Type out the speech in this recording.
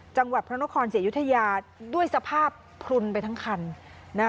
จังหวัดพระนครศรีอยุธยาด้วยสภาพพลุนไปทั้งคันนะ